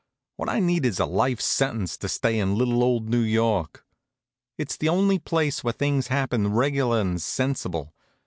What I need is a life sentence to stay in little old New York. It's the only place where things happen reg'lar and sensible.